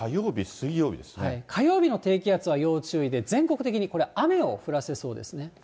火曜日、火曜日の低気圧は要注意で、全国的にこれ、雨を降らせそうですね。